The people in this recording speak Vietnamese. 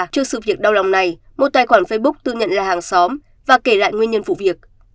trước sự việc đau lòng này một tài khoản facebook tự nhận là hàng xóm và kể lại nguyên nhân vụ việc